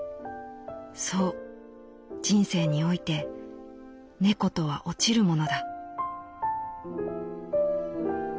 そう人生において猫とは落ちるものだ」。